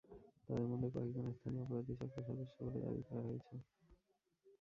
তাদের মধ্যে কয়েকজন স্থানীয় অপরাধী চক্রের সদস্য বলে দাবি করা হয়েছে।